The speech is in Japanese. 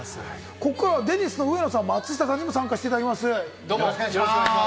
ここからはデニスの植野さん、松下さんにも参加していただきます。